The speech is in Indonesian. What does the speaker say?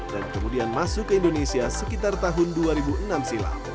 dan kemudian masuk ke indonesia sekitar tahun dua ribu enam silam